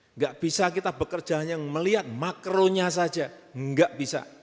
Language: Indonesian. enggak bisa kita bekerja melihat makronya saja enggak bisa